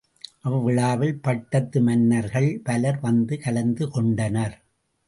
அவ்விழாவில் பட்டத்து மன்னர்கள் பலர் வந்து கலந்து கொண்டனர்.